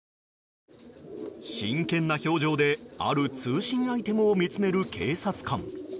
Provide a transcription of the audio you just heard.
真剣な表情である通信アイテムを見つめる警察官。